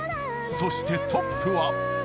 そしてトップは。